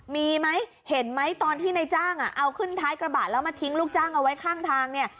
มีไหมเห็นไหมตอนที่ในจ้างเอาขึ้นท้ายกระบะแล้วมาทิ้งลูกจ้างเอาไว้ข้างทางเนี่ย